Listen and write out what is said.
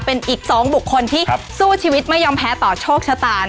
เป็นอีก๒บุคคลที่สู้ชีวิตไม่ยอมแพ้ต่อโชคชะตา